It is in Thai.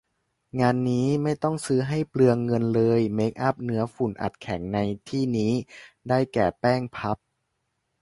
งานนี้ไม่ต้องซื้อให้เปลืองเงินเลย เมคอัพเนื้อฝุ่นอัดแข็งในที่นี้ ได้แก่ แป้งพัฟ